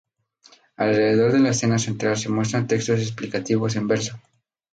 Alrededor de la escena central se muestra textos explicativos en verso.